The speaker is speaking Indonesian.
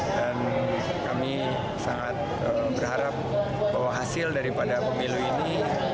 dan kami sangat berharap bahwa hasil daripada pemilu ini